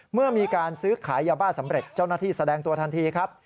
เมื่อมีการซื้อขายยาบ้าสำเร็จเจ้าหน้าที่แสดงตัวทันทีครับ